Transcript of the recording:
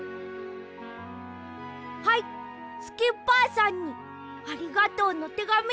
はいスキッパーさんにありがとうのてがみ。